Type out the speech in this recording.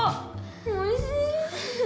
おいしい。